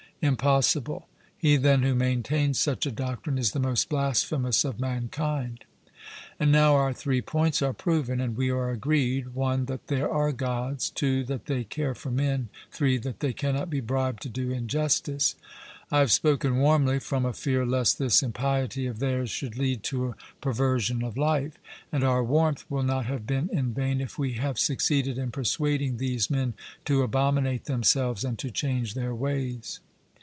'Impossible.' He, then, who maintains such a doctrine, is the most blasphemous of mankind. And now our three points are proven; and we are agreed (1) that there are Gods, (2) that they care for men, (3) that they cannot be bribed to do injustice. I have spoken warmly, from a fear lest this impiety of theirs should lead to a perversion of life. And our warmth will not have been in vain, if we have succeeded in persuading these men to abominate themselves, and to change their ways.